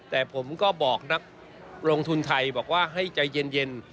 แต่ผมก็บอกนักลงทุนไทยบอกว่าให้ใจเย็น